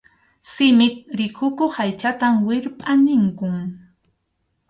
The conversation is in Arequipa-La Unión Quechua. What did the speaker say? Simip rikukuq aychanta wirpʼa ninkum.